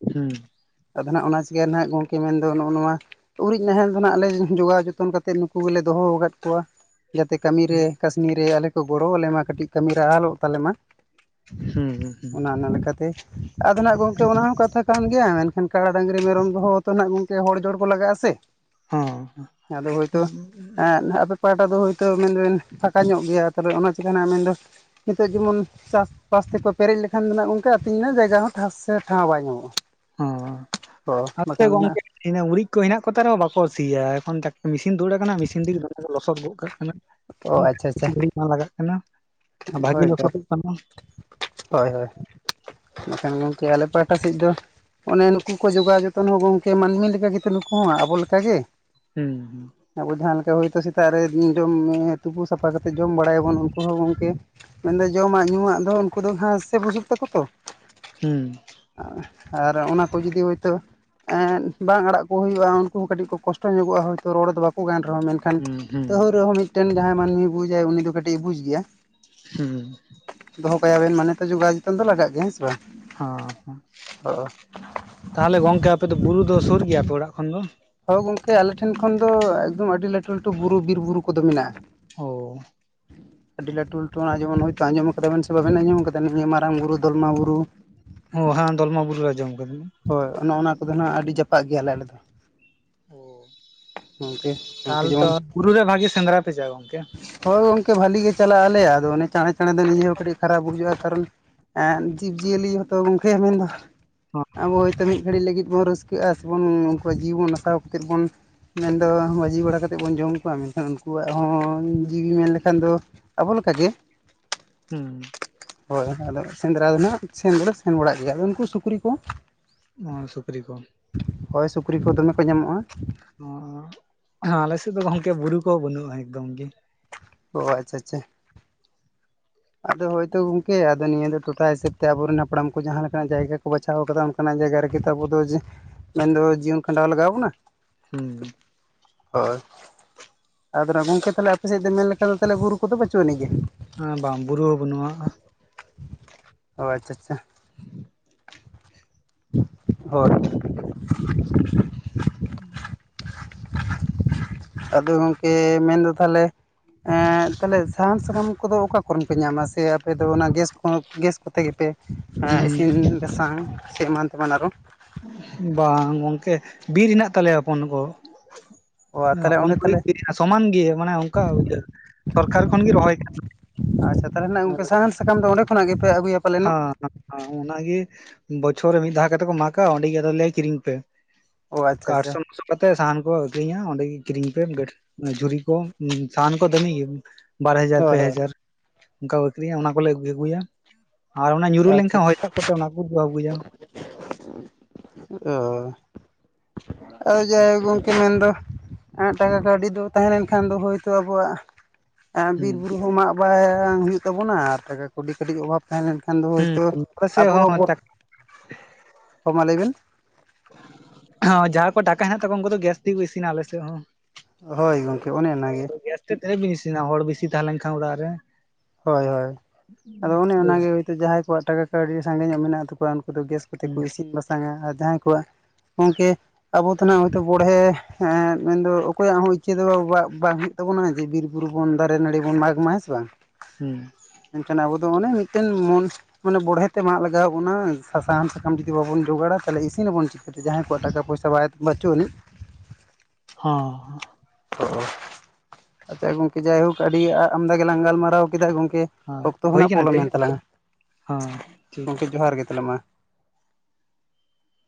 ᱦᱩᱸᱼᱼ ᱟᱫᱚ ᱦᱟᱜ ᱚᱱᱟ ᱪᱤᱠᱟᱹ ᱱᱟᱜ ᱜᱚᱝᱠᱮ ᱢᱮᱱᱫᱚ ᱱᱚᱜᱼᱚ ᱱᱚᱣᱟ᱾ ᱩᱨᱤᱡ ᱱᱟᱦᱮᱞ ᱫᱚ ᱱᱟᱜ ᱟᱞᱮ ᱡᱚᱜᱟᱣ ᱡᱚᱛᱚᱱ ᱠᱟᱛᱮᱫ ᱱᱩᱠᱩ ᱜᱮᱞᱮ ᱫᱚᱦᱚ ᱟᱠᱟᱫ ᱠᱚᱣᱟ᱾ ᱡᱟᱛᱮ ᱦᱩᱸ ᱠᱟᱹᱢᱤᱨᱮ ᱠᱟᱹᱥᱱᱤᱨᱮ ᱟᱞᱮ ᱠᱚ ᱜᱚᱲᱚ ᱟᱞᱮ ᱢᱟ ᱠᱟᱹᱴᱤᱡ ᱠᱟᱹᱢᱤᱨᱮ ᱟᱞᱚᱜ ᱛᱟᱞᱮᱢᱟ᱾ ᱦᱩᱸ ᱦᱩᱸ ᱚᱱᱟ ᱚᱱᱟ ᱞᱮᱠᱟᱛᱮ ᱟᱫᱚ ᱱᱟᱜ ᱜᱚᱝᱼᱠᱮ ᱚᱱᱟ ᱦᱚᱸ ᱠᱟᱛᱷᱟ ᱠᱟᱱ ᱜᱮᱭᱟ ᱢᱮᱱᱠᱷᱟᱱ ᱠᱟᱲᱟᱰᱟ ᱰᱟᱝᱨᱤ ᱢᱮᱨᱚᱢ ᱫᱚᱦᱚ ᱛᱚ ᱜ ᱜᱚᱝᱠᱮᱩᱼᱼ ᱦᱚᱲ ᱡᱚᱲ ᱠᱚ ᱞᱟᱜᱟᱜᱼᱟ ᱥᱮ ᱦᱚᱸ ᱟᱫᱚ ᱦᱚᱭ ᱛᱚ ᱦᱟᱜᱼᱼ ᱯᱟᱦᱟᱴᱟ ᱫᱚ ᱦᱤᱭᱛᱚ ᱢᱮᱱᱵᱮᱱ ᱯᱷᱟᱸᱠᱟ ᱧᱚᱜ ᱜᱮᱭᱟ ᱛᱟᱦᱚᱞᱮ ᱚᱱᱟ ᱪᱤᱠᱟᱹ ᱢᱮᱱᱫᱚ ᱱᱤᱛᱚᱜ ᱡᱮᱢᱚᱱᱼᱼ ᱪᱟᱥᱼᱵᱟᱥ ᱛᱮᱠᱚ ᱯᱮᱨᱮᱡ ᱞᱮᱠᱷᱟᱱ ᱫᱚ ᱚᱱᱛᱮ ᱟᱹᱛᱤᱧ ᱨᱮᱱᱟᱜ ᱡᱟᱭᱜᱟ ᱦᱚᱸ ᱴᱷᱟ ᱥᱮ ᱴᱷᱟᱶ ᱵᱟᱭ ᱧᱟᱢᱚᱜᱼᱟ᱾ ᱚ ᱚ ᱟᱛᱮ ᱵᱟᱠᱷᱟᱱ ᱫᱚ ᱱᱟᱜ ᱜᱚᱝᱠᱮ [unintelligible] ᱤᱱᱟᱹ ᱩᱨᱤᱡ ᱠᱚ ᱦᱮᱱᱟᱜ ᱠᱚᱛᱮ ᱨᱮᱦᱚᱸ ᱵᱟᱠᱚ ᱥᱤᱭᱟ ᱮᱠᱷᱚᱱ ᱢᱮᱥᱤᱱ ᱫᱩᱲ ᱟᱠᱟᱱᱟ ᱢᱮᱥᱤᱱ ᱛᱮᱜᱮᱢ ᱞᱚᱥᱚᱫ ᱜᱚᱫ ᱠᱟᱜ ᱠᱟᱱᱟ᱾ ᱚ ᱤᱧ ᱠᱤᱪᱷᱤ ᱜᱷᱟᱹᱲᱤᱡ ᱵᱟᱝ ᱞᱟᱜᱟᱜ ᱠᱟᱱᱟ᱾ ᱵᱷᱟᱜᱤ ᱦᱳᱭ ᱛᱚ ᱞᱚᱥᱚᱫᱚᱜ ᱠᱟᱱᱟ ᱦᱳᱭ ᱦᱳᱭ ᱵᱟ ᱠᱷᱟᱱ ᱜᱚᱢᱠᱮ ᱟᱞᱮᱯᱮᱼᱼ ᱚᱠᱟ ᱥᱮᱫ ᱫᱚ ᱚᱱᱮ ᱱᱩᱠᱩ ᱠᱚ ᱡᱚᱜᱟᱣᱼᱟ ᱡᱚᱛᱚᱱ ᱦᱚᱸ ᱜᱚᱝᱠᱮ ᱢᱟᱹᱱᱢᱤ ᱞᱮᱠᱟᱜᱮᱛᱚ ᱱᱩᱠᱩ ᱦᱚᱸ ᱟᱵᱚ ᱞᱮᱠᱟᱜᱮ᱾ ᱦᱩᱸ ᱦᱩᱸ ᱟᱵᱚ ᱡᱟᱦᱟᱸ ᱞᱮᱠᱟ ᱦᱳᱭᱛᱳ ᱥᱮᱛᱟᱜ ᱨᱮ ᱡᱚᱢ ᱛᱩᱯᱩ ᱥᱟᱯᱷᱟ ᱠᱟᱛᱮᱫ ᱡᱚᱢ ᱵᱟᱲᱟᱭᱟᱵᱚᱱ ᱩᱱᱠᱩ ᱦᱚᱸᱼᱼ ᱢᱮᱱᱫᱚ ᱡᱚᱢᱟᱜ ᱧᱩᱣᱟᱜ ᱫᱚ ᱩᱱᱠᱩ ᱫᱚ ᱜᱟᱸᱥ ᱥᱮ ᱵᱩᱡᱩᱜ ᱛᱟᱠᱚ ᱛᱚᱼᱼ ᱦᱩᱢ ᱟᱨ ᱚᱱᱟ ᱠᱚ ᱡᱩᱫᱤ ᱦᱚᱭᱛᱳᱼᱼ ᱵᱟᱝ ᱟᱲᱟᱜ ᱠᱚ ᱦᱩᱭᱩᱜᱼᱟ ᱩᱱᱠᱩ ᱦᱚᱸ ᱠᱟᱹᱴᱤᱡ ᱠᱚ ᱠᱚᱥᱴᱚ ᱧᱚᱜᱼᱟ ᱦᱳᱭᱛᱳ ᱨᱚᱲ ᱫᱚ ᱵᱟᱠᱚ ᱜᱟᱱ ᱨᱮᱦᱚᱸ ᱢᱮᱱᱼᱼ ᱮᱠᱷᱟᱱ ᱦᱩᱸ ᱦᱩᱸ ᱛᱟᱹᱦ ᱨᱮᱦᱚᱸ ᱢᱤᱫᱴᱮᱱ ᱡᱟᱦᱟᱸᱭ ᱢᱟᱹᱱᱢᱤᱭ ᱵᱩᱡᱟᱭ ᱩᱱᱤ ᱫᱚ ᱠᱟᱹᱴᱤᱡ ᱵᱩᱡᱽ ᱜᱮᱭᱟ᱾ ᱦᱩᱸ ᱾ ᱫᱚᱦᱚ ᱠᱟᱭᱟᱵᱮᱱ ᱢᱟᱱᱮ ᱛᱚ ᱡᱚᱜᱟᱣ ᱡᱚᱛᱚᱱ ᱫᱚ ᱞᱟᱜᱟ ᱜᱮᱭᱟ ᱦᱮᱸ ᱥᱮ ᱵᱟᱝ ᱾ ᱦᱚᱸ ᱛᱟᱦᱚᱞᱮ ᱜᱚᱝᱠᱮ ᱟᱯᱮ ᱫᱚ ᱵᱩᱨᱩ ᱫᱚ ᱥᱩᱨ ᱜᱮᱭᱟᱯᱮ ᱚᱲᱟᱜ ᱠᱷᱚᱱ ᱫᱚ? ᱦᱚᱭ ᱜᱚᱝᱠᱮ ᱟᱞᱮ ᱴᱷᱮᱱ ᱠᱷᱚᱱ ᱫᱚ ᱮᱠᱫᱚᱢ ᱟᱹᱰᱤ ᱞᱟᱹᱴᱩ ᱞᱟᱹᱴᱩ ᱵᱩᱨᱩ ᱵᱤᱨ ᱵᱩᱨᱩ ᱠᱚᱫᱚ ᱢᱮᱱᱟᱜᱼᱟ ᱾ ᱚᱸ ᱟᱹᱰᱤ ᱞᱟᱹᱴᱩ ᱞᱟᱹᱴᱩ ᱟᱨ ᱡᱮᱚᱢᱚᱱ ᱦᱚᱭᱛᱳ ᱟᱸᱢᱚᱢ ᱠᱟᱫᱟᱵᱮᱱ ᱥᱮ ᱵᱟᱵᱮᱱ ᱟᱸᱢᱚᱢ ᱠᱟᱫᱟ ᱱᱤᱭᱟᱹ ᱢᱟᱨᱟᱝ ᱵᱩᱨᱩ ᱫᱚᱞᱢᱟ ᱵᱩᱨᱩ ᱾ ᱳ ᱦᱟ ᱫᱚᱞᱢᱟ ᱵᱩᱨᱩ ᱟᱸᱡᱚᱢ ᱟᱠᱟᱫᱤᱧ ᱾ ᱦᱚᱭ ᱚᱱᱮ ᱚᱱᱟ ᱠᱚᱫᱚ ᱱᱟᱜ ᱟᱹᱰᱤ ᱡᱟᱯᱟᱜ ᱜᱮᱭᱟᱞᱮ ᱟᱞᱮ ᱫᱚ ᱾ ᱜᱚᱝᱠᱮ ᱩᱱᱠᱩ ᱛᱟᱞ ᱛᱚ ᱡᱮᱢᱚᱱ ᱵᱩᱨᱩ ᱨᱮ ᱵᱷᱟᱜᱤ ᱥᱮᱸᱫᱽᱨᱟ ᱯᱮ ᱪᱟᱜᱼᱟ ᱜᱚᱝᱠᱮ ᱾ ᱦᱚᱭ ᱜᱚᱝᱠᱮ ᱵᱷᱟᱹᱞᱤ ᱜᱮ ᱪᱟᱞᱟᱜᱼᱟ ᱟᱞᱮᱭᱟ, ᱟᱫᱚ ᱚᱱᱮ ᱪᱟᱬᱮ ᱪᱟᱬᱮ ᱫᱚ ᱱᱤᱡᱮ ᱦᱚᱸ ᱠᱟᱹᱴᱤᱡ ᱠᱷᱟᱨᱟᱯ ᱵᱩᱡᱷᱟᱹᱜᱼᱟ ᱾ ᱠᱟᱨᱚᱱᱼᱼ ᱮᱸᱫ ᱡᱤᱵᱽ ᱡᱤᱭᱟᱹᱞᱤ ᱦᱚᱸ ᱛᱚ ᱜᱚᱝᱠᱮ ᱢᱮᱱᱫᱚ, ᱟᱵᱚ ᱦᱚᱭᱛᱚ ᱢᱤᱫ ᱜᱷᱟᱹᱲᱤᱡ ᱞᱟᱹᱜᱤᱫ ᱵᱚᱱ ᱨᱟᱹᱥᱼᱼ ᱠᱟᱹᱜ-ᱟ ᱥᱮ ᱵᱩᱱ ᱩᱱᱠᱩᱣᱟᱜ ᱡᱤᱵᱚᱱ ᱦᱟᱛᱟᱣ ᱠᱷᱟᱹᱛᱤᱨ ᱵᱚᱱᱼᱼ ᱢᱮᱱ ᱫᱚ ᱵᱟᱹᱡᱤ ᱵᱟᱲᱟ ᱠᱟᱛᱮᱜ ᱵᱚᱱ ᱡᱚᱢ ᱠᱚᱣᱟ ᱢᱮᱱᱠᱷᱟᱱ ᱩᱱᱠᱩᱣᱟᱜ ᱦᱚᱸᱼᱼ ᱩᱸᱻ ᱡᱤᱣᱤ ᱢᱮᱱ ᱞᱮᱠᱷᱟᱱ ᱫᱚ ᱟᱵᱚ ᱞᱮᱠᱟ ᱜᱮᱼᱼ ᱦᱩᱸ᱾ ᱦᱚᱭ ᱦᱮᱸᱜ ᱟᱫᱚ ᱥᱮᱸᱫᱽᱨᱟ ᱫᱚ ᱱᱟᱜ ᱥᱮᱱ ᱫᱚᱞᱮ ᱥᱮᱱ ᱵᱟᱲᱟᱜ ᱜᱮᱭᱟ ᱟᱫᱚ ᱩᱱᱠᱩ ᱥᱩᱠᱨᱤ ᱠᱚᱼᱼ ᱚᱸᱻ ᱥᱩᱠᱨᱤ ᱠᱚ ᱾ ᱦᱚᱭ ᱥᱩᱠᱨᱤ ᱠᱚ ᱫᱚᱢᱮ ᱠᱚ ᱧᱟᱢᱚᱜ-ᱟ ᱾ ᱚᱸᱻ ᱦᱟᱸ ᱟᱞᱮ ᱥᱮᱜ ᱫᱚ ᱜᱚᱝᱠᱮ ᱵᱩᱨᱩ ᱠᱚᱦᱚᱸ ᱵᱟᱹᱱᱩᱜ-ᱟ ᱮᱠᱫᱚᱢ ᱜᱮ ᱾ ᱚ ᱟᱪᱪᱷᱟ ᱟᱪᱪᱷᱟ ᱾ ᱟᱫᱚ ᱦᱳᱭᱛᱳ ᱜᱚᱝᱠᱮ ᱟᱫᱚ ᱱᱤᱭᱟᱹ ᱫᱚ ᱴᱚᱴᱷᱟ ᱦᱤᱥᱟᱹᱵᱽ ᱛᱮ ᱟᱵᱚ ᱨᱮᱱ ᱦᱟᱯᱲᱟᱢ ᱠᱚ ᱡᱟᱦᱟᱸ ᱞᱮᱠᱟ ᱱᱟᱜ ᱡᱟᱭᱜᱟ ᱠᱚ ᱵᱟᱪᱷᱟᱣ ᱠᱟᱫᱟ ᱾ ᱚᱠᱟᱱᱟᱜ ᱡᱟᱭᱜᱟ ᱨᱮ ᱜᱮ ᱛᱚ ᱟᱵᱚ ᱫᱚ ᱡᱮ ᱢᱮᱱ ᱫᱚ ᱡᱤᱭᱚᱱ ᱠᱷᱟᱸᱰᱟᱣ ᱞᱟᱜᱟᱣ ᱵᱚᱱᱟ᱾ ᱦᱩᱸᱻᱩᱸ᱾ ᱦᱚᱭ ᱟᱫᱚ ᱱᱟᱦᱟᱸᱜ ᱜᱚᱝᱠᱮ ᱛᱟᱦᱞᱮ ᱟᱯᱮ ᱥᱮᱡ ᱫᱚ ᱢᱮᱱ ᱞᱮᱠᱟ ᱫᱚ ᱛᱟᱦᱞᱮ ᱵᱩᱨᱩ ᱠᱚᱫᱚ ᱵᱟᱹᱪᱩᱜ ᱟᱹᱱᱤᱡ ᱜᱮ᱾ ᱮᱸ ᱵᱟᱝ ᱵᱩᱨᱩ ᱦᱚᱸ ᱵᱟᱹᱱᱩᱜ-ᱟ᱾ ᱚ ᱟᱪᱪᱷᱟ ᱟᱪᱷᱟ᱾ ᱦᱳᱭ᱾ ᱦᱩᱸ ᱟᱫᱚ ᱜᱚᱝᱠᱮ ᱢᱮᱱ ᱫᱚ ᱛᱟᱦᱞᱮ ᱮᱸ ᱛᱟᱦᱞᱮ ᱥᱟᱦᱟᱱ ᱥᱟᱠᱟᱢ ᱠᱚ ᱫᱚ ᱚᱠᱟ ᱠᱚᱨᱮᱱ ᱯᱮ ᱧᱟᱢᱟ ᱥᱮ ᱟᱯᱮ ᱫᱚ ᱚᱱᱟ ᱜᱮᱥ ᱠᱚᱸ ᱜᱮᱥ ᱠᱚ ᱛᱮ ᱜᱮ ᱯᱮ ᱮᱸ ᱤᱥᱤᱱ ᱵᱟᱥᱟᱝ ᱥᱮ ᱮᱢᱟᱱ ᱛᱮ ᱢᱟᱱ ᱟᱨᱚ᱾ ᱵᱟᱝ ᱜᱚᱝᱠᱮ ᱵᱤᱨ ᱦᱮᱱᱟᱜ ᱛᱟᱞᱮᱭᱟ ᱦᱚᱯᱚᱱ ᱜᱚ᱾ ᱚ ᱢᱟᱱᱮ ᱛᱟᱦᱚᱞᱮ ᱦᱚᱯᱚᱱ ᱚᱸᱰᱮ ᱠᱚ ᱛᱟᱦᱚᱞᱮ [unintelligible] ᱥᱚᱢᱟᱱ ᱜᱮ ᱢᱟᱱᱮ ᱚᱱᱠᱟ ᱤᱭᱟᱹ ᱥᱚᱨᱠᱟᱨ ᱠᱷᱚᱱ ᱜᱤ ᱨᱚᱦᱚᱭ ᱠᱟᱱᱟ᱾ ᱟᱪᱪᱷᱟ ᱛᱟᱦᱚᱞᱮ ᱱᱟᱦᱟᱸᱜ ᱜᱚᱝᱠᱮ ᱥᱟᱦᱟᱱ ᱥᱟᱠᱟᱢ ᱫᱚ ᱚᱸᱰᱮ ᱠᱷᱚᱱᱟᱜ ᱜᱮ ᱯᱮ ᱟᱜᱩᱭᱟ ᱯᱟᱞᱮᱱ ᱚᱜ? ᱟᱸᱻ ᱚᱱᱟ ᱜᱮ ᱵᱚᱪᱷᱚᱨ ᱨᱮ ᱢᱤᱫ ᱫᱷᱟᱣ ᱠᱟᱛᱮᱜ ᱠᱚ ᱢᱟᱠᱟ ᱚᱸᱰᱮ ᱜᱮ ᱟᱫᱚ ᱞᱟᱹᱭ ᱠᱤᱨᱤᱧ ᱯᱮ᱾ ᱚ ᱟᱪᱪᱷᱟ ᱠᱟᱨ ᱟᱪᱪᱷᱟ ᱥᱚᱱᱥᱳᱜ ᱠᱟᱛᱮ ᱥᱟᱦᱟᱱ ᱠᱚ ᱟᱹᱠᱷᱨᱤᱧᱟ ᱚᱸᱰᱮ ᱜᱤ ᱠᱤᱨᱤᱧ ᱯᱮ ᱵᱮᱴᱷ ᱱᱮ ᱡᱷᱩᱨᱤ ᱠᱚ ᱩᱸ ᱥᱟᱦᱟᱱ ᱠᱚ ᱫᱟᱹᱢᱤ ᱜᱤ ᱾ ᱵᱟᱨ ᱦᱟᱡᱟᱨ ᱦᱳᱭ ᱯᱮ ᱦᱳᱭ ᱦᱟᱡᱟᱨ᱾ ᱚᱱᱠᱟ ᱟᱹᱠᱷᱨᱤᱧᱟ ᱚᱱᱟ ᱠᱚᱞᱮ ᱟᱹᱜᱩᱭ ᱟᱹᱜᱩᱭᱟ ᱟᱨ ᱚᱱᱟ ᱧᱩᱨᱩ ᱞᱮᱱ ᱠᱷᱟᱜ ᱦᱚᱭ ᱫᱟᱜ ᱠᱚᱛᱮ ᱚᱱᱟ ᱠᱩ ᱜᱤ ᱟᱹᱜᱩᱭᱟ᱾ ᱚᱻ᱾ ᱟᱫᱚ ᱡᱟᱭᱦᱳᱠ ᱜᱚᱝᱠᱮ ᱢᱮᱱ ᱫᱚ ᱮᱸ ᱴᱟᱠᱟ ᱠᱟᱹᱣᱰᱤ ᱫᱚ ᱛᱟᱦᱮᱸ ᱞᱮᱱ ᱠᱷᱟᱱ ᱫᱚ ᱦᱳᱭ ᱛᱥ ᱟᱵᱚᱣᱟᱜ ᱮᱸ ᱦᱩᱸ ᱵᱤᱨ ᱵᱩᱨᱩ ᱦᱚᱸ ᱢᱟᱜ ᱵᱟᱭᱻᱝ ᱦᱩᱭᱩᱜ ᱛᱟᱵᱚᱱᱟ ᱟᱨ ᱴᱟᱠᱟ ᱠᱟᱹᱴᱤᱡ ᱚᱵᱷᱟᱵᱽ ᱛᱟᱦᱮᱸ ᱞᱮᱱᱠᱷᱟᱡ ᱠᱷᱟᱱ ᱫᱚ ᱦᱩᱸ ᱦᱳᱭᱛᱚ ᱟᱞᱮ ᱥᱮᱫ ᱟᱵᱚ ᱦᱚᱸ ᱵᱚ, ᱦᱚᱸ ᱢᱟ ᱞᱟᱹᱭ ᱵᱮᱱ? ᱦᱚᱸ ᱡᱟᱦᱟᱸ ᱠᱚ ᱴᱟᱠᱟ ᱦᱮᱱᱟᱜ ᱛᱟᱠᱚᱣᱟ ᱩᱱᱠᱩ ᱫᱚ ᱜᱮᱥ ᱛᱤᱜᱤ ᱠᱩ ᱤᱥᱤᱱᱟ ᱟᱞᱮ ᱥᱮᱜ ᱦᱚᱸ ᱦᱚᱭ ᱜᱚᱝᱠᱮ ᱚᱱᱮ ᱚᱱᱟ ᱜᱮ᱾ ᱟᱫᱚ ᱜᱮᱥ ᱛᱮ ᱛᱤᱱᱟᱹᱜ ᱵᱤᱱ ᱤᱥᱤᱱᱟ ᱦᱚᱲ ᱵᱤᱥᱤ ᱛᱟᱦᱮᱸ ᱞᱮᱱ ᱠᱷᱟᱱ ᱚᱲᱟᱜ ᱨᱮ᱾ ᱦᱚᱭ ᱦᱚᱭ ᱟᱫᱚ ᱚᱱᱮ ᱚᱱᱟ ᱜᱮ ᱦᱳᱭ ᱛᱚ ᱡᱟᱦᱟᱸᱭ ᱠᱚᱣᱟᱜ ᱴᱟᱠᱟ ᱠᱟᱹᱣᱰᱤ ᱥᱟᱸᱜᱮ ᱧᱚᱜ ᱢᱮᱱᱟᱜ ᱛᱟᱠᱚᱣᱟ ᱩᱱᱠᱩ ᱫᱚ ᱜᱮᱥ ᱛᱮ ᱠᱚ ᱦᱩᱸ ᱤᱥᱤᱱ ᱵᱟᱥᱟᱝᱟ ᱟᱨ ᱡᱟᱦᱟᱸᱭ ᱠᱚᱣᱟᱜ ᱜᱚᱝᱠᱮ ᱟᱵᱚ ᱛᱚ ᱱᱟᱦᱟᱸᱜ ᱦᱚᱭᱛᱚ ᱵᱚᱲ ᱦᱮ ᱮᱸᱫ ᱢᱮᱱ ᱫᱚ ᱚᱠᱚᱭᱟᱜ ᱦᱚᱸ ᱤᱪᱪᱷᱟᱹ ᱫᱚ ᱵᱟ ᱵᱟᱝ ᱦᱩᱭᱩᱜ ᱛᱟᱹᱵᱩᱱᱟ ᱡᱮ ᱵᱤᱨ ᱵᱩᱨᱩ ᱵᱚᱱ ᱫᱟᱨᱮ ᱱᱟᱹᱲᱤ ᱵᱚᱱ ᱢᱟᱜᱽ ᱢᱟ ᱦᱮᱸ ᱥᱮ ᱵᱟᱝ᱾ ᱦᱩᱸ᱾ ᱢᱮᱱᱠᱷᱟᱱ ᱟᱵᱚ ᱫᱚ ᱚᱱᱮ ᱢᱤᱫᱴᱮᱱ ᱢᱚᱱ ᱢᱟᱱᱮ ᱵᱚᱲᱦᱮ ᱛᱮ ᱢᱟᱜ ᱞᱟᱜᱟᱣ ᱵᱚᱱᱟ ᱥᱟ ᱥᱟᱦᱟᱱ ᱥᱟᱠᱟᱢ ᱡᱩᱫᱤ ᱵᱟᱵᱚᱱ ᱡᱚᱜᱟᱲᱟ ᱛᱟᱦᱚᱞᱮ ᱤᱥᱤᱱᱟ ᱵᱚᱱ ᱪᱤᱠ ᱠᱟᱹ ᱛᱮ ᱡᱟᱦᱟᱸᱭ ᱠᱚᱣᱟᱜ ᱴᱟᱠᱟ ᱯᱚᱭᱥᱟ ᱵᱟᱭ ᱵᱟᱪᱩᱜ ᱟᱹᱱᱤᱡ᱾ ᱦᱚᱸ᱾ ᱚ ᱟᱪᱪᱷᱟ ᱜᱚᱝᱠᱮ ᱡᱟᱭ ᱦᱳᱠ ᱟᱹᱰᱤ ᱟ ᱟᱢ ᱫᱟ ᱜᱮᱞᱟᱝ ᱜᱟᱞᱢᱟᱨᱟᱣ ᱠᱮᱫᱟ ᱜᱚᱝᱠᱮ᱾ ᱦᱳᱭ ᱚᱠᱛᱚ ᱦᱚ ᱦᱳᱭ ᱱᱟᱦᱟᱸᱜ ᱠᱟᱱᱟ ᱴᱤ ᱯᱚᱞᱚᱢᱮᱱ ᱛᱟᱞᱟᱝᱟ ᱦᱚᱸ ᱴᱷᱤᱠ ᱜᱚᱝᱠᱮ ᱡᱚᱦᱟᱨ ᱜᱮ ᱛᱟᱦᱚᱞᱮ ᱢᱟ᱾